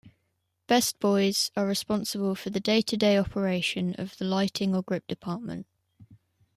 Best boys are responsible for the day-to-day operation of the lighting or grip department.